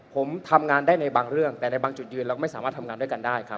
ผมทำงานได้ในบางเรื่องแต่ในบางจุดยืนเราไม่สามารถทำงานด้วยกันได้ครับ